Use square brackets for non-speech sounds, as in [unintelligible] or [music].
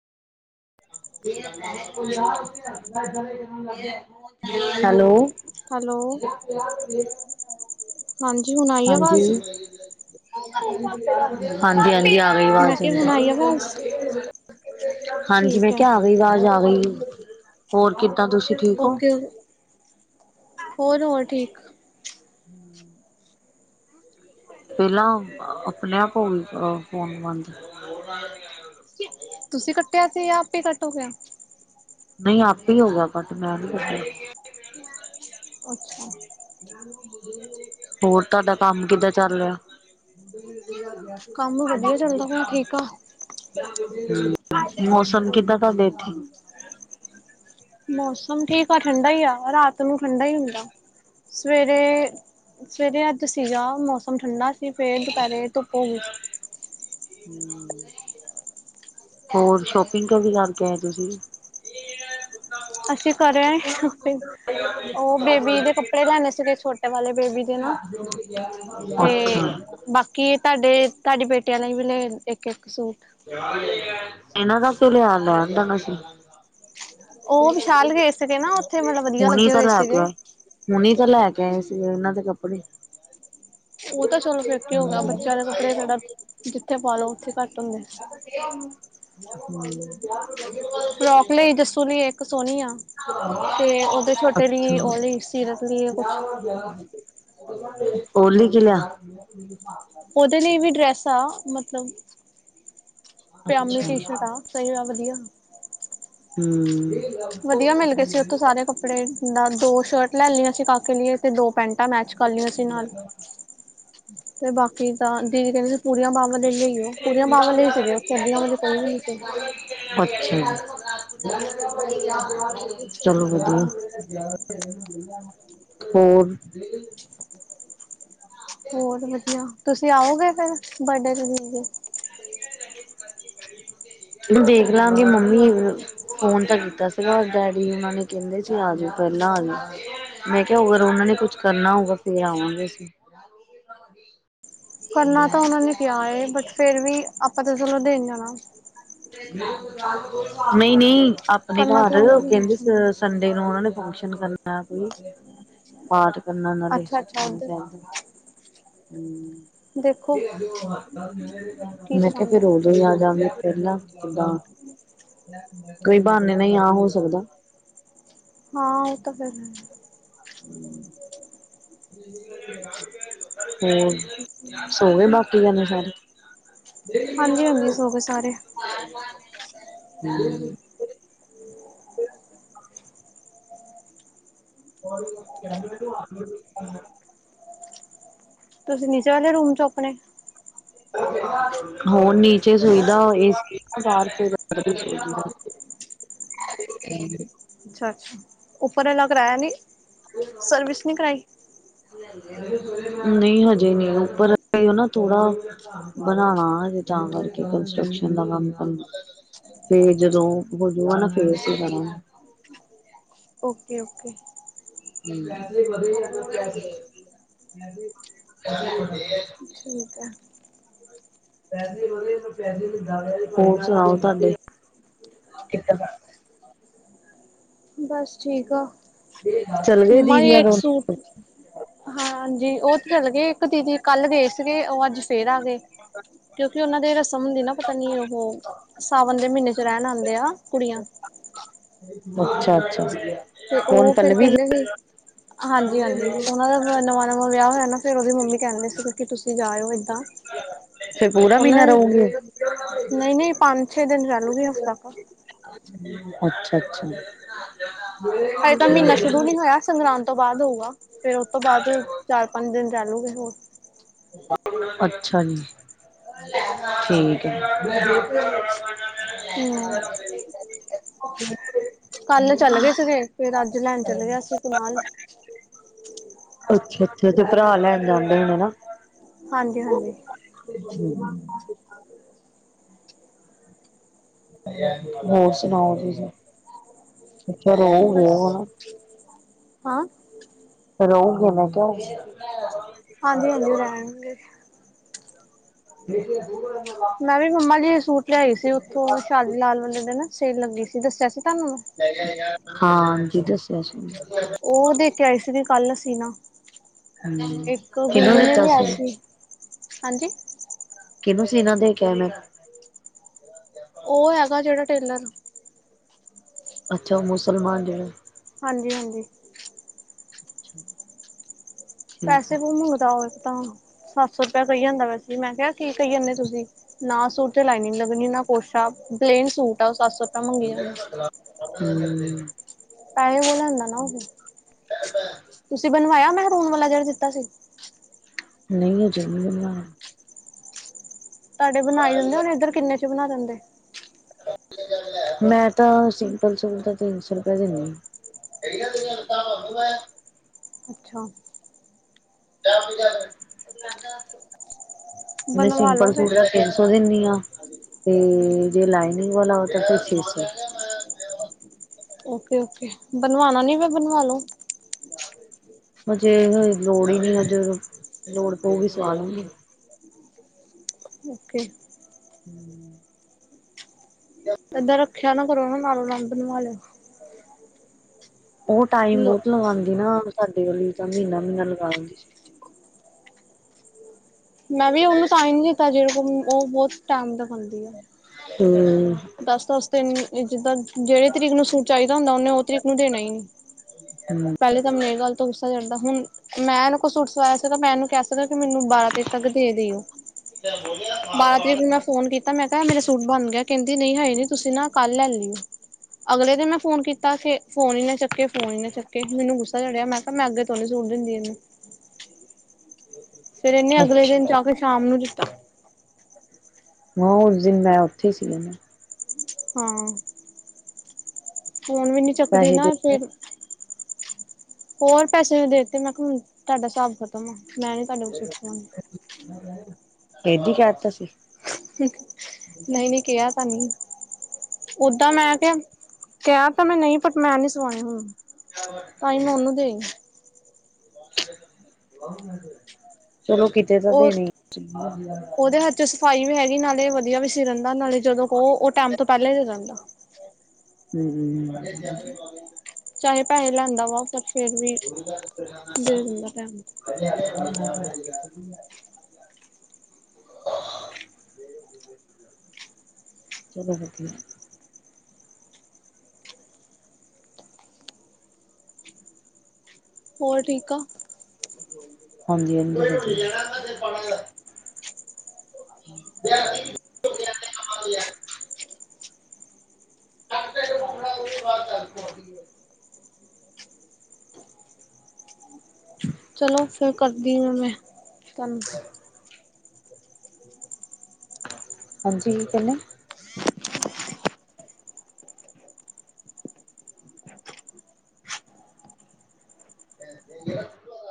Hello, hello, [inaudible] ਹਾਂਜੀ ਹੁਣ ਆਈ ਹਾਂਜੀ। ਆਵਾਜ਼ ਹਾਂਜੀ-ਹਾਂਜੀ ਆ ਗਈ ਮੈਂ ਆਵਾਜ਼, ਕਿਹਾ ਹੁਣ ਆਈ ਆਵਾਜ਼ ਹਾਂਜੀ ਠੀਕ ਮੈਂ ਹੈ ਕਿਆ ਆਵਾਜ ਆ ਗਈ, ਹੋਰ ਕਿੱਦਾਂ ਤੁਸੀਂ? ਠੀਕ ਹੋ ਓਕੇ, ਹੋਰ-ਹੋਰ ਠੀਕ। [inaudible] ਪਹਿਲਾਂ ਆਪਣੇ ਆਪ ਹੋ ਗਈ ਅ ਫੋਨ ਬੰਦ। [inaudible] ਕਿ ਤੁਸੀਂ ਕੱਟਿਆ ਸੀ ਜਾਂ ਆਪੇ ਕੱਟ ਹੋ ਗਿਆ। ਨਈ ਆਪੇ ਹੋ ਗਿਆ ਕੱਟ ਮੈਂ ਨ ਅੱਛਾ ਹੋਰ ਤੁਹਾਡਾ ਕੰਮ ਕਿਦਾਂ ਚੱਲ ਰਿਆ? [inaudible] ਕੰਮ ਵਧੀਆ ਚੱਲਦਾ ਪਿਆ ਠੀਕ ਆ ਮੌਸਮ ਕਿਦਾਂ ਤੁਹਾਡੇ ਇੱਥੇ? ਮੌਸਮ ਠੀਕ ਆ ਠੰਡਾ ਈ ਆ ਰਾਤ ਤੁਹਾਨੂੰ ਠੰਡਾ ਈ ਹੁੰਦਾ, ਸਵੇਰੇ-ਸਵੇਰੇ ਅੱਜ ਸੀਗਾ ਮੌਸਮ ਠੰਡਾ ਫੇਰ ਤੇ ਦੁਪੇਰੇ ਧੁੱਪ ਹੋ ਗਈ ਸੀ। ਹੂੰ, ਹੋਰ ਸ਼ੋਪਿੰਗ [unintelligible] ਅਸੀਂ ਕਰੇ ਆਏ ਸ਼ੋਪਿੰਗ ਉਹ ਬੇਬੀ ਦੇ ਕੱਪੜੇ ਲੈਣੇ ਸੀਗੇ ਛੋਟੇ ਵਾਲੇ ਬੇਬੀ ਦੇ ਨਾ, ਤੇ ਅੱਛਾ ਬਾਕੀ ਤੁਹਾਡੇ ਤੁਹਾਡੇ ਬੇਟਿਆਂ ਲਈ ਵੀ ਲੈ ਇੱਕ ਇੱਕ ਸੂਟ ਇਹਨਾਂ ਤਾ ਲਿਆ ਲੈਦਾ ਸੀ। ਉਹ ਵਿਸ਼ਾਲ ਗਏ ਸੀਗੇ ਨਾ ਉੱਥੇ ਮਤਲਬ ਵਧੀਆ ਹੁਣ ਲੱਗੇ ਤਾਂ ਹੋਏ ਲੈ ਕੇ ਸੀਗੇ। ਆਏ‌। ਹੁਨੀ ਤਾਂ ਲੈ ਕੇ ਆਏ ਸੀਗੇ ਇਹਨਾਂ ਦੇ ਕੱਪੜੇ ਉਹ ਤਾਂ ਚਲੋ ਫਿਰ ਕੀ ਹੋ ਗਿਆ ਬੱਚਿਆਂ ਦੇ ਕੱਪੜੇ, ਜਿਹੜਾ ਜਿੱਥੇ ਪਾ ਲੋ ਉੱਥੇ ਘੱਟ ਹੁੰਦਾਂ। ਹੂੰ, ਫਰੋਕ ਲਈ ਜੱਸੂ ਦੀ ਇੱਕ ਸੋਣੀ ਆ। ਤੇ ਓਦੇ ਛੋਟੇ ਅੱਛਾ ਲਈ ਔਵੀ ਸੀਰਤ ਲਈ ਕੁਛ [inaudible] ਓਲੀ ਕਿ ਲਿਆ ਉਦੇ ਲਈ ਵੀ ਡਰੈੱਸ ਆ ਮਤਲਬ, ਪਿਆਮੀ ਟੀ ਸ਼ਰਟ ਆ ਸਹੀ ਆ ਵਧੀਆ ਹੂੰ, ਵਧੀਆ ਮਿਲ ਗਏ ਸੀ ਉੱਥੋਂ ਸਾਰੇ ਕੱਪੜੇ ਦਾ ਦੋ ਸ਼ਰਟ ਲੇ ਲੀਆਂ ਸੀ ਕਾਕੇ ਲਈਏ ਦੋ ਪੈਂਟ ਮੈਚ ਕਰ ਲਿਆ ਸੀ ਨਾਲ [unintelligible] ਤੇ ਬਾਕੀ ਤਾਂ ਦੀਦੀ ਕਹਿੰਦੇ ਪੂਰੀਆਂ ਬਾਵਾਂ ਦੇ ਲਈਓ ਪੂਰੀਆਂ ਬਾਵਾਂ ਦੇ ਸੀ ਉੱਥੇ, ਅੱਧੀਆਂ ਵਾਲੇ ਕੋਈ ਵੀ ਨੀ ਸੀ। ਅੱਛਾਜੀ! [unintelligible] ਚਲੋ ਵਧੀਆ। ਹੋਰ। [inaudible] ਹੋਰ ਵਧੀਆ ਤੁਸੀਂ ਆਓਗੇ ਫਿਰ ਬਡੇ ਤੇ ਦੀਦੀ ਦੇ [unintelligible] ਦੇਖ ਲਾਗੇ ਮੰਮੀ ਅ ਫੋਨ ਤਾਂ ਕੀਤਾ ਸੀਗਾ ਡੈਡੀ ਨਾਲ਼ੇ ਕਹਿੰਦੇ ਸੀ, ਆਜੋ ਪਹਿਲਾਂ ਆਜੋ। ਮੈਂ ਕਿਹਾ ਅਗਰ ਉਹਨਾਂ ਨੇ ਕੁਛ ਕਰਨਾ ਹੋਊਗਾ ਫਿਰ ਆਵਾਂਗੇ ਅਸੀਂ। ਕਰਨਾ ਤਾਂ ਉਹਨਾਂ ਨੇ ਕਿਹਾ ਏ ਬਟ ਫੇਰ ਵੀ ਆਪਾਂ ਤਾਂ ਚਲੋਂ ਦੇਣ ਜਾਣਾ। ਨਹੀ-ਨਹੀ, ਆਪਣੇ ਕਰਨਾ ਘਰ ਤਾਂ ਕਹਿੰਦੇ ਸੀ ਸਡ ਢੇ ਨੂੰ ਉਹਨਾਂ ਨੇ ਫੰਕਸ਼ਨ ਕਰਨਾ ਕੋਈ ਪਾਠ ਕਰਨਾ ਉਹਨਾਂ ਨੇ ਅੱਛਾ ਅੱਛਾ ਸੁਖਮਨੀ ਉੱਧਰ ਸਾਹਿਬ ਦਾ ਹੂੰ। ਦੇਖੋ ਕੀ [unintelligible] ਮੈਂ ਕਿਹਾ ਚਲਾਉਂਦੇ ਫਿਰ ਉਦੋ ਹੀ ਆ ਜਾਗੇ ਫਿਰ ਨਾ ਉਦਾ, ਕੋਈ ਬਹਾਨੇ ਨਾਲ ਆ ਹੋ ਸਕਦਾ। ਹਾਂ, ਉਹ ਤਾਂ ਫੇਰ ਹੂੰ। ਹੂੰ, ਸੋ ਗਏ ਬਾਕੀ ਜਨੇ ਸਾਰੇ। ਹਾਂਜੀ ਹਾਂਜੀ ਸੋ ਗਏ ਸਾਰੇ [unintelligible] ਹੂੰ। [unintelligible] ਤੁਸੀਂ ਨਿੱਚੇ ਆਗੇ ਰੂਮ 'ਚ ਆਪਣੇ। ਹੋਰ ਨੀਚੇ ਸੋਈਦਾ ਏ ਸੀ [unintelligible] [unintelligible] ਹੂੰ। ਅੱਛਾ-ਅੱਛਾ, ਉੱਪਰ ਅਲੱਗ ਰਹਿ ਨੀ ਸਰਵਿਸ ਨਹੀਂ ਕਰਾਈ [inaudible] ਨੀ ਹਜੇ ਨੀ ਉੱਪਰ ਅਜੇ ਨਾ ਥੋੜਾ ਬਣਾਨਾ ਹਜੇ ਤਾਂ ਕਰਕੇ ਕੰਸਟਰਕਸ਼ਨ ਦਾ ਕੰਮ ਕਰਨਾ। ਫਿਰ ਜਦੋਂ ਹੋਜੂਗਾ ਨਾ ਫਿਰ ਅਸੀ ਜਾਣਾ। ਓਕੇ-ਓਕੇ। [unintelligible] ਠੀਕ ਹੈ। ਹੋਰ ਸੁਣਾਓ ਤੁਹਾਡੇ ਕਿੱਦਾ? ਬਸ ਠੀਕ ਆ। ਚੱਲ ਗਏ ਮੰਮਾ ਦੀਦੀ ਆ ਔਰ [inaudible] [inaudible] ਹਾਂਜੀ, ਉ ਤੇ ਚੱਲ ਗਏ ਇੱਕ ਦੀਦੀ ਕੱਲ ਗਏ ਸੀਗੇ, ਉ ਅੱਜ ਫਿਰ ਆ ਗਏ। ਕਿਉਂਕਿ ਉਨਾਂ ਦੇ ਰਸਮ ਹੁੰਦੀ ਨਾ ਪਤਾ ਨੀ ਉਹੋ ਸਾਵਨ ਦੇ ਮਹੀਨੇ 'ਚ ਰਹਿਣ ਆਉਂਦੇ ਆ ਕੁੜੀਆਂ। ਅੱਛਾ-ਅੱਛਾ। ਤੇ ਉ ਫਿਰ ਕਹਿੰਦੇ ਸੀ। ਹਾਂਜੀ-ਹਾਂਜੀ, ਉਨਾਂ ਦਾ ਨਵਾਂ-ਨਵਾਂ ਵਿਆਹ ਹੋਇਆ ਨਾ ਫਿਰ ਉਹਦੇ ਮੰਮੀ ਕਹਿੰਦੇ ਸੀ ਕਿ ਤੁਸੀਂ ਜਾਇਓ ਏਦਾਂ। ਤੇ ਫਿਰ ਪੂਰਾ ਮਹੀਨਾ ਰਹੋਗੇ। ਨਹੀਂ-ਨਹੀਂ, ਪੰਜ-ਛੇ ਦਿਨ ਰਹਿਲੂਗੀ ਹਫ਼ਤਾ ਕੁ। ਅੱਛਾ-ਅੱਛਾ, ਠੀਕ ਹਜੇ ਤਾਂ ਮਹੀਨਾ ਸ਼ੁਰੂ ਨੀ ਏ। ਹੋਇਆ ਸੰਗਰਾਂਦ ਤੋਂ ਬਾਦ ਹੋਊਗਾ ਫਿਰ ਓਤੋਂ ਬਾਦ ਚਾਰ ਪੰਜ ਦਿਨ ਰੈਲੋਗੇ ਹੋਰ ਅੱਛਾ ਜੀ, ਠੀਕ ਐ। [inaudible] ਹਮ ਕੱਲ ਚੱਲ ਗਏ ਸੀਗੇ, ਫਿਰ ਅੱਜ ਲੈਨ ਚੱਲ ਗਿਆ ਸੀ ਕੁਨਾਲ। ਅੱਛਾ-ਅੱਛਾ, ਤੇ ਭਰਾ ਲੈਨ ਜਾਂਦੇ ਨੇ ਹਨਾ। ਹਾਂਜੀ-ਹਾਂਜੀ। [inaudible] ਹੋਰ ਸੁਨਾਓ ਤੁਸੀ, ਅੱਛਾ ਰਓਗੇ ਬਸ ਹੁਨ। ਹਾਂ। ਰਓਗੇ ਮੈਂ ਕਿਆ। ਹਾਂਜੀ-ਹਾਂਜੀ, ਓ ਰੈਨਗੇ। [inaudible] ਮੈਂ ਵੀ ਮੰਮਾ ਲਈ ਸੂਟ ਲਿਆਈ ਸੀ ਉੱਥੋਂ, ਸ਼ਾਲੀ ਲਾਲ ਵਾਲੇ ਦਿਨ ਸੇਲ ਲੱਗੀ ਸੀ ਦੱਸਿਆ ਸੀ ਤੁਆਨੂੰ। ਹਾਂ ਜੀ, ਦੱਸਿਆ ਸੀ। ਓ ਦੇ ਕੇ ਆਈ ਸੀਗੇ ਕੱਲ ਅਸੀਂ ਨਾ, ਹਮ ਇੱਕ ਕਿਹਨੂੰ ਗੁਨਗੁਨ ਨੇ ਦਿੱਤਾ ਲਿਆ ਸੀ। ਹਾਂਜੀ। ਕਿੰਨੂੰ ਸੀਨਾ ਦੇ ਕੇ ਆਨਾ। ਓ ਹੈਗਾ ਜੇੜਾ ਟੇਲਰ। ਅੱਛਾ, ਓ ਮੁਸਲਮਾਨ ਜੇੜੇ। ਹਾਂਜੀ-ਹਾਂਜੀ। ਅੱਛਾ। ਪੈਸੇ ਬਹੁ ਮੰਗਦਾ ਓ ਇੱਕ ਤਾਂ, ਸੱਤ ਸੌ ਰੁਪਏਆ ਕਈ ਜਾਂਦਾ ਵੈਸੇ ਮੈਂ ਕਿਆ ਕੀ ਕਈ ਜਾਂਨੇ ਓਂ ਤੁਸੀਂ। ਨਾ ਸੂਟ ਤੇ ਲਾਈਨਿੰਗ ਲੱਗਨੀ ਨਾ ਕੁਸ਼ ਆ ਪਲੇਨ ਸੂਟ ਆ ਓ ਸੱਤ ਸੌ ਰੁਪਇਆ ਮੰਗੀ ਜਾਂਦੀ। ਹੂੰ। ਤਾਈਓਂ ਮੈ ਮਨਾ ਕੀਤਾ, ਤੁਸੀਂ ਬਨਵਾਇਆ ਮਹਿਰੂਨ ਵਾਲਾ ਜੇੜਾ ਦਿੱਤਾ ਸੀ। ਨਈ ਹਜੇ ਨੀ ਬਨਵਾਇਆ। ਤਾਡੇ ਬਨਾ ਈ ਦਿੰਦੇ ਹੋਨੇ ਏਦਰ ਕਿੰਨੇ ਚ ਬਨਾ ਦਿੰਦੇ। ਮੈਂ ਤਾਂ ਸਿੰਪਲ ਸੂਟ ਦਾ ਤਿੰਨ ਸੌ ਰੁਪਏ ਦਿੰਨੀ ਆ। [inaudible] ਅੱਛਾ। [unintelligible] ਮੈ ਬਣਵਾ ਲੋ ਸਿੰਪਲ ਫਿਰ ਸੂਟ ਦਾ ਤਿੰਨ ਸੌ ਦਿੰਨੀ ਆਂ, ਤੇ ਜੇ ਲਾਈਨਿੰਗ ਵਾਲਾ ਹੋਏ ਤਾਂ ਫਿਰ ਛੇ ਸੌ। ਓਕੇ-ਓਕੇ ਬਨਵਾਨਾ ਨੀ ਫਿਰ ਬਨਵਾ ਲੋ। ਹਜੇ ਲੋੜ ਈ ਨੀ ਹਜੇ ਜਦੋਂ ਲੋੜ ਪਊਗੀ ਉਦੋਂ ਸਵਾ ਲੂੰਗੀ। ਓਕੇ। ਹੂੰ। [inaudible] ਏਦਾਂ ਰੱਖੇਆ ਨਾ ਕਰੋ ਨਾਲ ਨਾਲੋਂ ਬਨਵਾ ਲੋ। ਓ ਟਾਈਮ ਲਿਓ ਬੋਤ ਲਗਾਂਦੀ ਨਾ ਸਾਡੇ ਵਾਲੀ ਤਾਂ ਮੀਨਾ-ਮੀਨਾ ਲਗਾ ਦਿੰਦੀ ਸੀ। ਮੈਂ ਵੀ ਓਨੂੰ ਤਾਂਈ ਨੀ ਦਿੱਤਾ ਜੇੜੀ ਕੋਲ ਓ ਬੋਤ ਟੈਮ ਲਗਾਂਦੀ ਆ। ਹੂੰ। ਦਸ-ਦਸ ਦਿਨ ਏ ਜਿੱਦਾਂ ਜੇੜੀ ਤਰੀਕ ਨੂੰ ਸੂਟ ਚਾਈਦਾ ਹੁੰਦਾ ਓਨੇ ਓ ਤਰੀਕ ਨੂੰ ਦੇਨਾ ਈ ਨਈਂ। ਪੈਲੇ ਤਾਂ ਮੈਨੂੰ ਏ ਗੱਲ ਤੋਂ ਗੁੱਸਾ ਚੜਦਾ, ਹੁਨ ਮੈਂ ਓਨੂੰ ਕੋਈ ਸੂਟ ਸਵਾਇਆ ਸੀ ਮੈਂ ਓਨੂੰ ਕਿ ਕੀ ਤੁਸੀਂ ਮੈਨੂੰ ਬਾਰਾਂ ਤਰੀਕ ਤੱਕ ਦੇ ਦਿਓ, ਬਾਰਾਂ ਤਰੀਕ ਨੂੰ ਮੈਂ ਫੋਨ ਕੀ ਤਾਂ ਮੈਂ ਕਿਹਾ ਮੇਰੇ ਸੂਟ ਬਣ ਗਿਆ ਕਹਿੰਦੀ ਨਹੀਂ ਹੈਏ ਨੀ ਤੁਸੀਂ ਨਾ ਕੱਲ ਲੈ ਲਿਉ। ਅਗਲੇ ਦਿਨ ਮੈਂ ਫੋਨ ਕੀਤਾ ਕਿ ਫੋਨ ਹੀ ਨਾ ਚੱਕੇ ਫੋਨ ਹੀ ਨਾ ਚੱਕੇ, ਮੈਨੂੰ ਗੁੱਸਾ ਚੜਿਆ ਮੈਂ ਪਰ ਮੈਂ ਅੱਗੇ ਤੋਂ ਸੂਟ ਨੀਂ ਦਿੰਦੀ ਇਹਨੂੰ ਫਿਰ ਇੰਨੇ ਅਗਲੇ ਦਿਨ ਚ ਅੱਛਾ ਜਾ ਕੇ ਸ਼ਾਮ ਨੂੰ ਹਾਂ ਉਸ ਦਿਨ ਮੈਂ ਉੱਥੇ ਹੀ ਸੀ ਨਾ ਹਾਂ ਫੋਨ ਵੀ ਨੀ ਚੱਕਦੀ ਪੈਸੇ ਨਾ ਦੇ ਐ ਫੇਰ ਹੋਰ ਪੈਸੇ ਦੇਤੇ ਮੈਂ ਤੁਹਾਨੂੰ ਤੁਹਾਡਾ ਹਿਸਾਬ ਖ਼ਤਮ ਮੈਂ ਨੀ ਤੁਹਾਡੇ ਤੋਂ ਸੂਟ ਸੁਵਾਉਣਾ। ਏਦੀ ਕਹਿ ਦਿੱਤਾ ਸੀ। ਨਹੀਂ ਨਹੀਂ ਕਿਹਾ ਤੇ ਨੀਂ ਓਦਾਂ ਮੈਂ ਕਿਹਾ, ਕਿਹਾ ਤਾਂ ਮੈਂ ਨਹੀਂ ਬਟ ਮੈਂ ਨਹੀਂ ਸਵਾਉਣੇ ਹੁਣ ਤਾਂ ਹੀ ਮੈਂ ਉਹਨੂੰ ਦੇ ਆਈ। ਚਲੋ ਕਿ ਔਰ ਉਹਦੇ ਹੱਥ ਸਫਾਈ ਵੀ ਹੈਗੀ, ਨਾਲੇ ਵਧੀਆ ਵੀ ਸੀ ਦਿੰਦਾ ਨਾਲੇ ਜਦੋਂ ਕੋਹੋ ਉਹ ਟਾਈਮ ਤੋਂ ਪਹਿਲੇ ਦੇ ਦਿੰਦਾ। ਹੂ ਹੂ ਚਾਹੇ ਪੈਸੇ ਲੈਂਦਾ ਵਾ ਪਰ ਫੇਰ ਵੀ ਦੇ ਦਿੰਦਾ ਟਾਈਮ ਤੇ [inaudible] [unintelligible] ਚਲੋ ਵਧੀਆ ਹਮ [inaudible] ਹੋਰ ਠੀਕ ਔ [inaudible] ਹਾਂਜੀ ਹਾਂਜੀ ਲਿਆਤੀ। ਬਣਾ [unintelligible] ਹ [inaudible] ਚਲੋ ਫਿਰ ਕਰਦੀ ਆ ਮੈਂ ਕੰਮ। ਹਾਂਜੀ ਕੀ ਕਰਨਾ ਐ? ਦੇ [unintelligible]